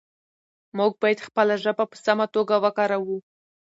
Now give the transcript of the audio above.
موږ باید خپله ژبه په سمه توګه وکاروو